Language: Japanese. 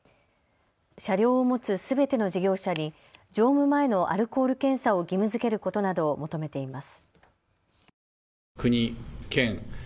車両を持つすべての事業者に乗務前のアルコール検査を義務づけることなどを求めています。